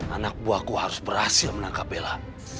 anak buahku harus berhasil menangkap bella